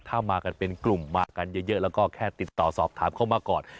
ถ้ามากันเป็นกลุ่มมากันเยอะแล้วก็แค่ติดต่อสอบถามเข้ามาก่อน